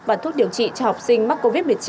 và thuốc điều trị cho học sinh mắc covid một mươi chín